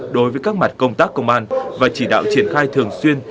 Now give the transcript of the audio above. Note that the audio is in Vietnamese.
đối với các mặt công tác công an và chỉ đạo triển khai thường xuyên